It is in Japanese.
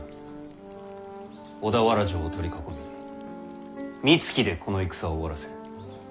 小田原城を取り囲みみつきでこの戦を終わらせる。